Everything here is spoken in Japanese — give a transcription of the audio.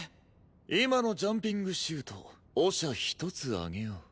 今のジャンピングシュートオシャ１つあげよう。